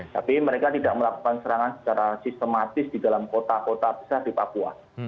tapi mereka tidak melakukan serangan secara sistematis di dalam kota kota besar di papua